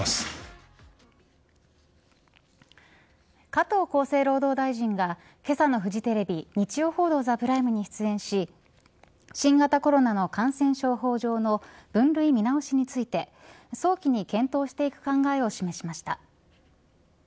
加藤厚生労働大臣がけさのフジテレビ日曜報道ＴＨＥＰＲＩＭＥに出演し新型コロナの感染症法上の分類見直しについて早期に検討していく考えを示しました。